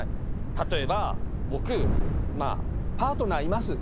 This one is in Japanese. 例えば僕まあパートナーいます。